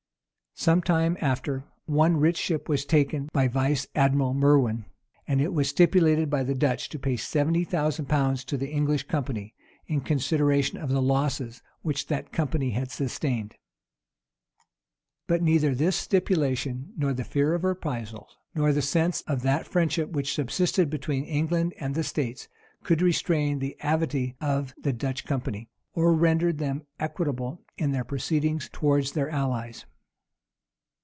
Some time after, one rich ship was taken by Vice admiral Merwin; and it was stipulated by the Dutch to pay seventy thousand pounds to the English company, in consideration of the losses which that company had sustained.[] * Journ. 26th Nov. 1621. In 1622. Johnstoni Hist. lib. xix. But neither this stipulation, nor the fear of reprisals, nor the sense of that friendship which subsisted between England and the states, could restrain the avidity of the Dutch company, or render them equitable in their proceedings towards their allies.